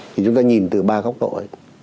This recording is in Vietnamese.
thì chúng ta nhìn từ ba góc độ ấy